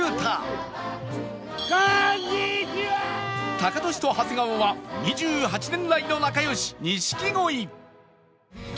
タカトシと長谷川は２８年来の仲良し錦鯉